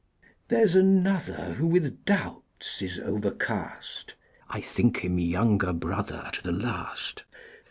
There's another who with doubts Is overcast; I think him younger brother To the last.